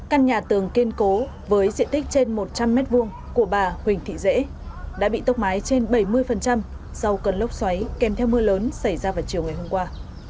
căn nhà tường kiên cố với diện tích trên một trăm linh m hai của bà huỳnh thị rễ đã bị tốc mái trên bảy mươi sau cơn lốc xoáy kèm theo mưa lớn xảy ra vào chiều ngày hôm qua